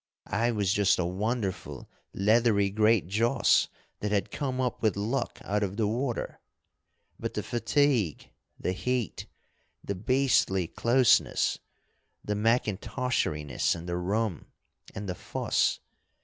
I was just a wonderful leathery great joss that had come up with luck out of the water. But the fatigue! the heat! the beastly closeness! the mackintosheriness and the rum! and the fuss!